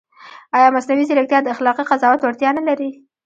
ایا مصنوعي ځیرکتیا د اخلاقي قضاوت وړتیا نه لري؟